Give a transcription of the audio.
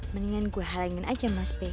mendingan gue halengin aja mas peh